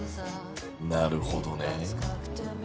なるほどね。